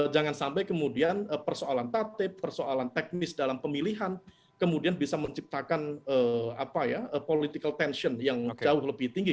jangan sampai kemudian persoalan tatip persoalan teknis dalam pemilihan kemudian bisa menciptakan political tension yang jauh lebih tinggi